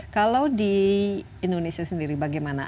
kalau di indonesia sendiri bagaimana